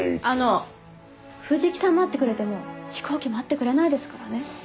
あの藤木さんは待ってくれても飛行機待ってくれないですからね。